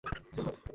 আমি সবসময় সাবধানী।